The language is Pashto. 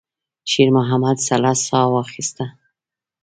شېرمحمد سړه ساه واخيسته.